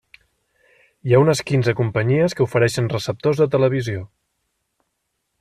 Hi ha unes quinze companyies que ofereixen receptors de televisió.